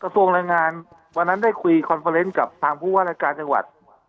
กระทรงแรงงานวันนั้นได้คุยชีวิตกับผู้หวัดระการจังหวัด